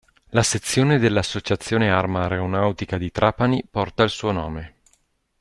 La Sezione dell'Associazione Arma Aeronautica di Trapani porta il suo nome.